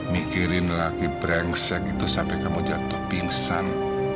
mikirin lagi brengsek itu sampai kamu jatuh pingsan